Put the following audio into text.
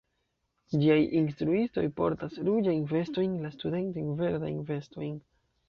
Ĝiaj instruistoj portas ruĝajn vestojn, la studentoj verdajn vestojn.